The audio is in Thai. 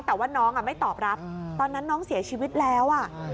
แต่ว่าน้องไม่ตอบรับตอนนั้นน้องเสียชีวิตแล้ว